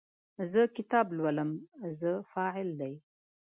زه کتاب لولم – "زه" فاعل دی.